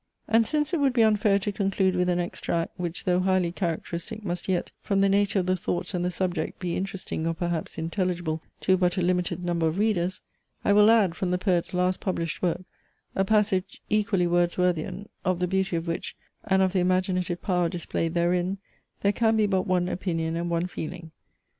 And since it would be unfair to conclude with an extract, which, though highly characteristic, must yet, from the nature of the thoughts and the subject, be interesting or perhaps intelligible, to but a limited number of readers; I will add, from the poet's last published work, a passage equally Wordsworthian; of the beauty of which, and of the imaginative power displayed therein, there can be but one opinion, and one feeling.